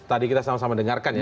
tadi kita sama sama dengarkan ya